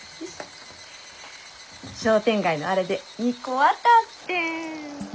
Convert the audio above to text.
商店街のあれで２個当たってん。